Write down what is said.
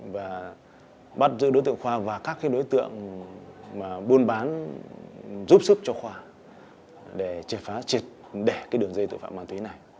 và bắt giữ đối tượng khoa và các đối tượng mà buôn bán giúp sức cho khoa để triệt phá triệt để đường dây tội phạm ma túy này